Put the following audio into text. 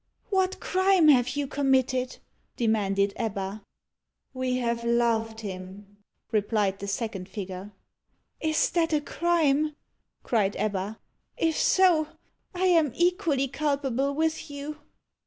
"What crime have you committed?" demanded Ebba. "We have loved him," replied the second figure. [Illustration: The Chamber of Mystery.] "Is that a crime?" cried Ebba. "If so, I am equally culpable with you."